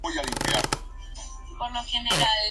Diputación carece de presidente.